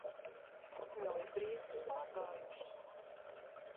Nu ir briesmas pārgājušas.